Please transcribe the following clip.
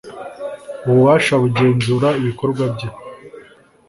ububasha kugenzura ibikorwa bye